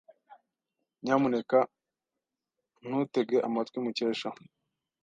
Nyamuneka ntutege amatwi Mukesha.